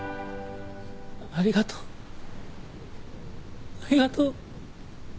ありがとうありがとう。